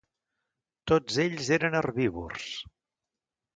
Tots ells eren herbívors.